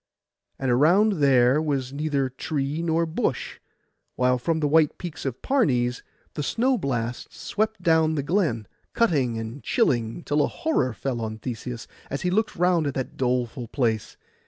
And around there was neither tree nor bush, while from the white peaks of Parnes the snow blasts swept down the glen, cutting and chilling till a horror fell on Theseus as he looked round at that doleful place.